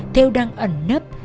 thêu đang ẩn nấp